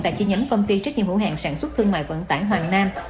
tại chi nhánh công ty trách nhiệm hữu hàng sản xuất thương mại vận tải hoàng nam